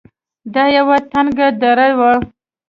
دا يوه تنگه دره وه.